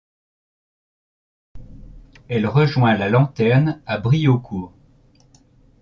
Elle rejoint la Lanterne à Briaucourt.